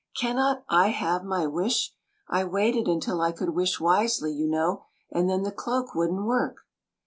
" Can not I have my wish ? I waited until I could wish wisely, you know ; and then the cloak would n't work."